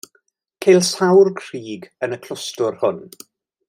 Ceir sawl crug yn y clwstwr hwn.